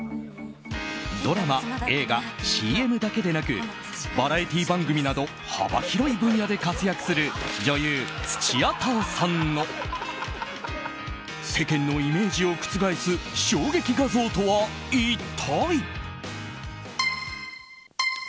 ドラマ、映画、ＣＭだけでなくバラエティー番組など幅広い分野で活躍する女優・土屋太鳳さんの世間のイメージを覆す衝撃画像とは一体？